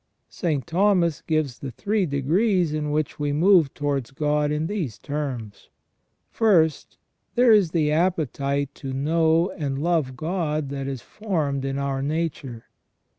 St. Thomas gives the three degrees in which we move towards God in these terms :" First, there is the appetite to know and love God that is formed in our nature.